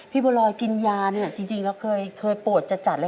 พี่บรอยกินยาจริงแล้วเคยโปรดจัดเลย